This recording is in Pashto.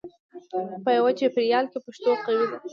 په یوه چاپېریال کې پښتو قوي ده.